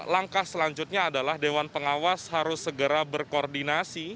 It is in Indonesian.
langkah selanjutnya adalah dewan pengawas harus segera berkoordinasi